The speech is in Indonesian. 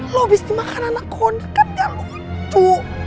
lo habis dimakan anak kondek kan gak lucu